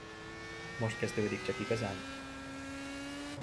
Most kezdődik csak igazán.